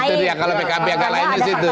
itu dia kalau pkb agak lain di situ